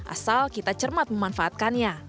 asal kita cermat memanfaatkannya